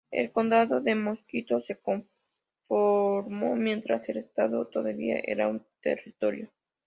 El "condado de Mosquito" se formó mientras el estado todavía era un territorio.